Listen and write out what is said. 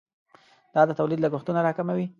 دا د تولید لګښتونه راکموي.